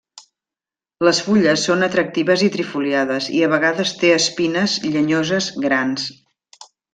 Les fulles són atractives i trifoliades i a vegades té espines llenyoses grans.